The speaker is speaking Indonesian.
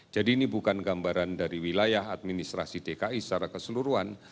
jadi ini bukan gambaran dari wilayah administrasi dki secara keseluruhan